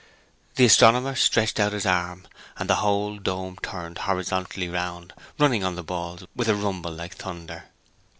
The astronomer stretched out his arm, and the whole dome turned horizontally round, running on the balls with a rumble like thunder.